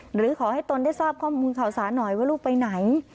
หรือขอให้ตนได้ทราบข้อมูลข่าวสารหน่อยว่าลูกไปไหน